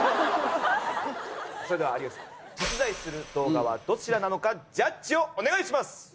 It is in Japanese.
それでは有吉さん実在する動画はどちらなのかジャッジをお願いします。